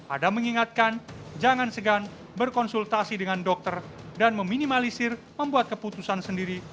adam mengingatkan jangan segan berkonsultasi dengan dokter dan meminimalisir membuat keputusan sendiri